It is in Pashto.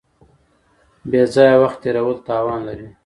بې ځایه وخت تېرول تاوان لري.